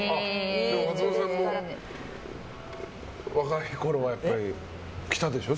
松本さんも若いころはやっぱり来たでしょ？